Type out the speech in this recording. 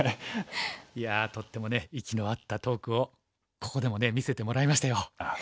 いやとってもね息の合ったトークをここでも見せてもらいましたよ。